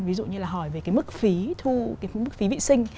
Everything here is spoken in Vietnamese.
ví dụ như là hỏi về cái mức phí thu cái mức phí vệ sinh